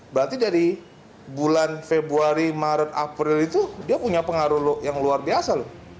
berarti dari bulan februari maret april itu dia punya pengaruh yang luar biasa loh